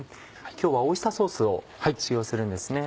今日はオイスターソースを使用するんですね。